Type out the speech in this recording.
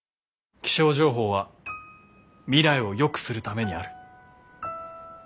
気象情報は未来をよくするためにある。